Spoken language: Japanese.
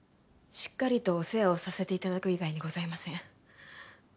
しっかりとお世話をさせて頂く以外にございません。